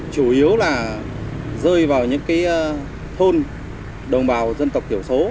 chủ yếu là rơi vào những thôn đồng bào dân tộc thiểu số